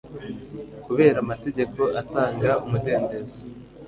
kubera amategeko atanga umudendezo